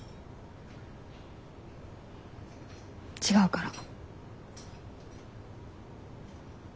違うから。